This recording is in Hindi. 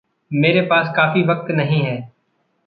मेरे पास काफी वक़्त नहीं है।